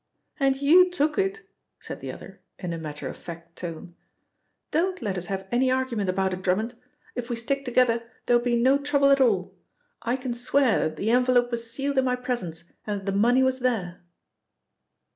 "And you took it," said the other, in a matter of fact tone. "Don't let us have any argument about it, Drummond. If we stick together there'll be no trouble at all I can swear that the envelope was sealed in my presence and that the money was there."